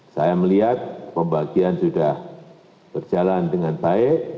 saya melihat pembagian sudah berjalan dengan baik